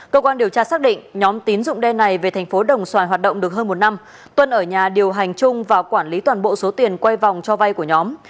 cơ quan điều tra xác định nhóm tín dụng đen này về thành phố đồng xoài hoạt động được hơn một năm tuân ở nhà điều hành chung và quản lý toàn bộ số tiền quay vòng cho vay của nhóm